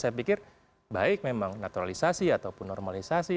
saya pikir baik memang naturalisasi ataupun normalisasi